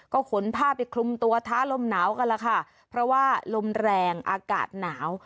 ก็ขนผ้าไปคลุมตัวท้าลมหนาวกันแล้วค่ะเพราะว่าลมแรงอากาศหนาว